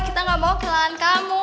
kita nggak mau keluarin kamu